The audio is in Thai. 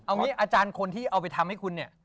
เอางี้อาจารย์คนที่เอาไปทำให้คุณเนี่ย